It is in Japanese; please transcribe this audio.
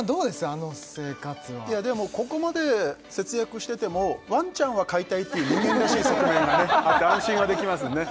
あの生活はいやでもここまで節約しててもワンちゃんは飼いたいっていう人間らしい側面がねあって安心はできますね